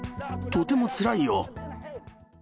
とてもつらいよ。